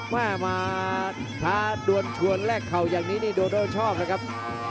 แม่มันทาดวนชวนแลกเข่าอย่างนี้โดโด่ชอบนะครับ